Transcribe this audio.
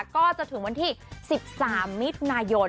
ก็จะถึงวันที่๑๓มิถุนายน